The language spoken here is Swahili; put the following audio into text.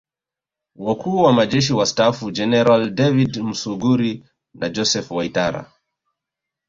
Wakuu wa Majeshi Wastaafu Jeneral David Msuguri na Joseph Waitara